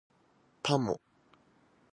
パモ